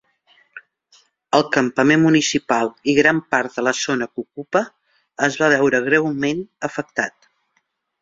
El campament municipal, i gran part de la zona que ocupa, es va veure greument afectat.